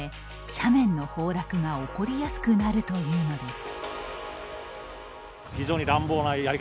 斜面の崩落が起こりやすくなるというのです。